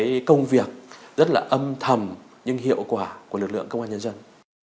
cái công việc rất là âm thầm nhưng hiệu quả của lực lượng công an nhân dân